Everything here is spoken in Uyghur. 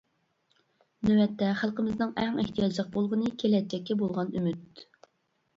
نۆۋەتتە، خەلقىمىزنىڭ ئەڭ ئېھتىياجلىق بولغىنى-كېلەچەككە بولغان ئۈمىد.